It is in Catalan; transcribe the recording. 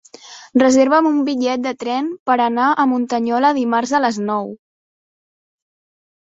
Reserva'm un bitllet de tren per anar a Muntanyola dimarts a les nou.